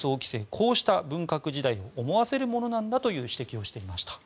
こうした文革時代を思わせるようなものなんだと指摘していました。